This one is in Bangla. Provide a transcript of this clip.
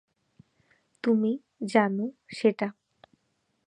তুমি জানো সেটা।